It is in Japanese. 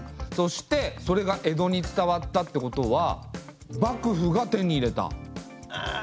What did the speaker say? そしてそれが江戸に伝わったってことは幕府が手に入れた。